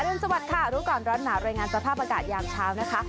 รุนสวัสดิค่ะรู้ก่อนร้อนหนาวรายงานสภาพอากาศยามเช้านะคะ